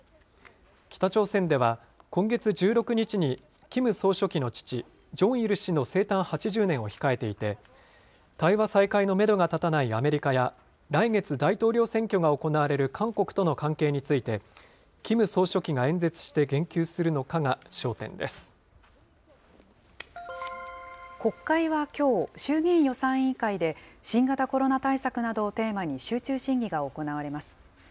北朝鮮では、今月１６日にキム総書記の父、ジョンイル氏の生誕８０年を控えていて、対話再開のメドが立たないアメリカや、来月大統領選挙が行われる韓国との関係について、キム総書記が演説して言及するのかが焦点国会はきょう、衆議院予算委員会で新型コロナ対策などをテーマに集中審議が行われます。